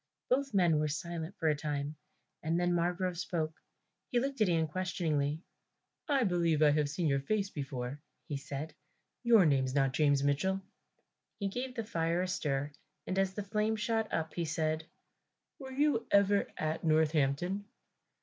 Both men were silent for a time and then Margrove spoke. He looked at Ian questioningly, "I believe I have seen your face before," he said; "your name's not James Mitchell." He gave the fire a stir, and as the flame shot up he said, "Were you ever at Northampton?"